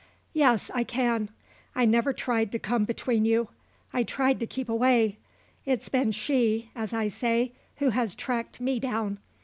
"Yes; I can. I never tried to come between you. I tried to keep away. It's been she, as I say, who has tracked me down.